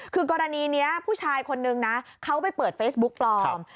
คือกรณีนี้ผู้ชายคนนึงนะเขาไปเปิดเฟซบุ๊กปลอม